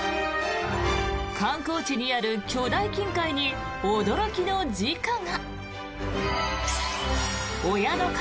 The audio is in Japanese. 観光地にある巨大金塊に驚きの時価が。